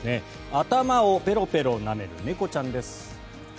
頭をペロペロなめる猫ちゃんです。